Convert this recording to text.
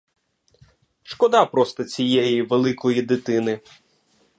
Шкода просто цієї великої дитини.